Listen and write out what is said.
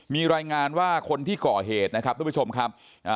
มีรายงานว่าคนที่ก่อเหตุนะครับทุกผู้ชมครับ